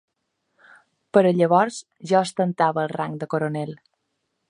Per a llavors ja ostentava el rang de coronel.